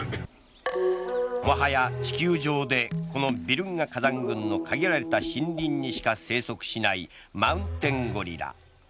もはや、地球上でこのビルンガ火山群の限られた森林にしか生息しないマウンテンゴリラ。